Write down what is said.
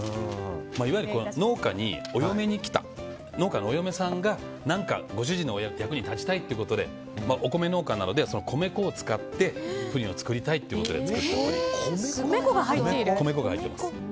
いわゆる農家にお嫁に来た農家のお嫁さんが何かご主人の役に立ちたいということでお米農家なので米粉を使ってプリンを作りたい米粉が入っていると。